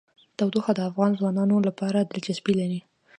تودوخه د افغان ځوانانو لپاره دلچسپي لري.